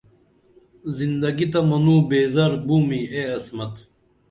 زندگی تہ منوں بے زر بُو می اے عصمت